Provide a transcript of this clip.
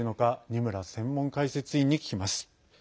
二村専門解説委員に聞きます。